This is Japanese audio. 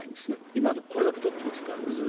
今、これだけ取ってますからね。